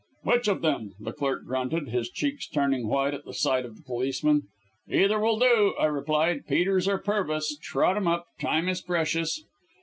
"'Which of them?' the clerk grunted, his cheeks turning white at the sight of the policeman. "'Either will do,' I replied, 'Peters or Pervis. Trot 'em up, time is precious.'